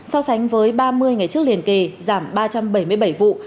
so sánh với ba mươi ngày trước liền kề giảm ba trăm bảy mươi bảy vụ